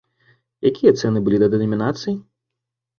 Якія цэны былі да дэнамінацый?